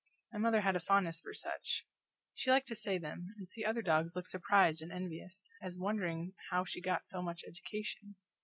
My mother had a fondness for such; she liked to say them, and see other dogs look surprised and envious, as wondering how she got so much education.